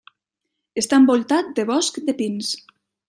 Està envoltat de bosc de pins.